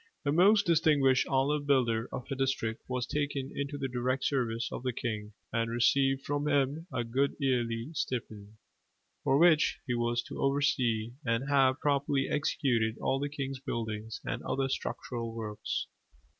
The most distinguished ollave builder of a district was taken into the direct service of the king, and received from him a good yearly stipend: for which he was to oversee and have properly executed all the king's building and other structural works.